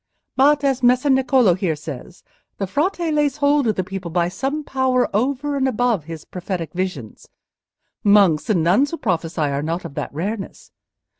But, as Messer Niccolò here says, the Frate lays hold of the people by some power over and above his prophetic visions. Monks and nuns who prophesy are not of that rareness.